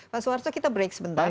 pak soeharto kita break sebentar